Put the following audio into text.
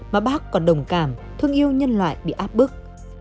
mà bác còn đồng cảm thương yêu nhân loại bị áp bức